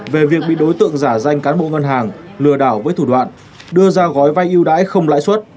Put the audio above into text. về việc bị đối tượng giả danh cán bộ ngân hàng lừa đảo với thủ đoạn đưa ra gói vai ưu đãi không lãi suất